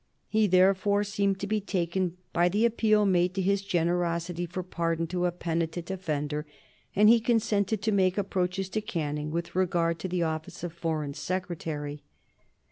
He therefore seemed to be taken by the appeal made to his generosity for pardon to a penitent offender, and he consented to make approaches to Canning with regard to the office of Foreign Secretary.